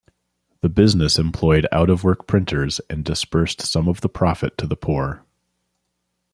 The business employed out-of-work printers and disbursed some of the profit to the poor.